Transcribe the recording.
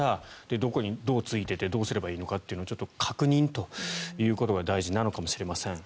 どこにどうついててどうすればいいのかというのをちょっと確認ということが大事なのかもしれません。